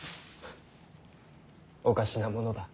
おかしなものだ。